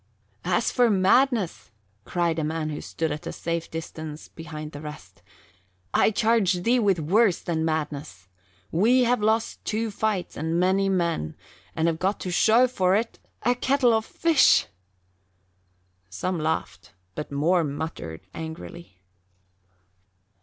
"As for madness," cried a man who stood at a safe distance behind the rest, "I charge thee with worse than madness. We have lost two fights and many men and have got to show for it a kettle of fish." Some laughed, but more muttered angrily.